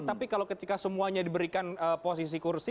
tapi kalau ketika semuanya diberikan posisi kursi